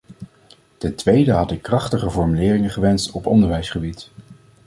Ten tweede had ik krachtiger formuleringen gewenst op onderwijsgebied.